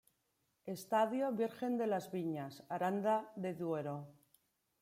Estadio Virgen de las Viñas, Aranda de Duero.